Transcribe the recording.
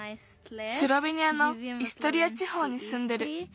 スロベニアのイストリアちほうにすんでる。